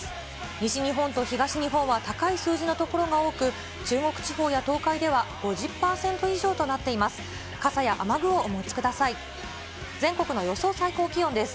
西日本と東日本は高い数字の所が多く、中国地方や東海では５０％以上となっています。